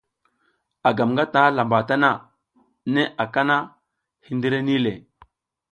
A gam ngataƞʼha lamba tana, neʼe aka na, hindire nih le.